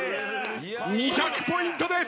２００ポイントです！